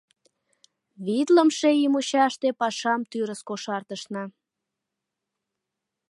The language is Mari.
Витлымше ий мучаште пашам тӱрыс кошартышна.